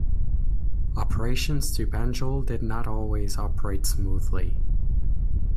Operations to Banjul did not always operate smoothly.